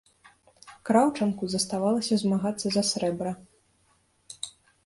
Краўчанку заставалася змагацца за срэбра.